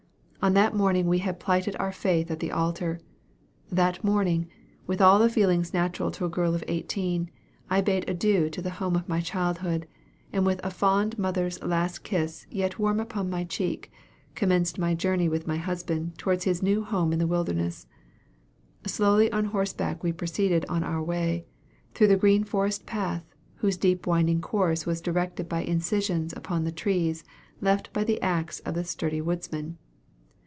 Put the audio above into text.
On that morning had we plighted our faith at the altar that morning, with all the feelings natural to a girl of eighteen, I bade adieu to the home of my childhood, and with a fond mother's last kiss yet warm upon my cheek, commenced my journey with my husband towards his new home in the wilderness. Slowly on horseback we proceeded on our way, through the green forest path, whose deep winding course was directed by incisions upon the trees left by the axe of the sturdy woodsman.